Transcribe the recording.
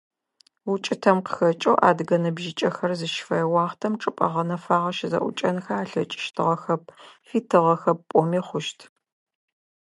УкӀытэм къыхэкӀэу адыгэ ныбжьыкӀэхэр зыщыфэе уахътэм чӀыпӀэ гъэнэфагъэ щызэӀукӀэнхэ алъэкӀыщтыгъэхэп, фитыгъэхэп пӀоми хъущт.